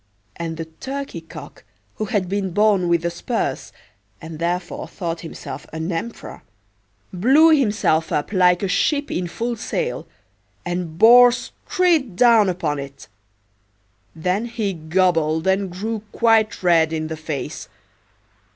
And the turkey cock, who had been born with the spurs, and therefore thought himself an emperor, blew himself up like a ship in full sail, and bore straight down upon it; then he gobbled and grew quite red in the face.